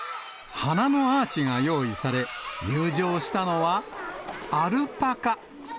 花のアーチが用意され、入場したのはアルパカ。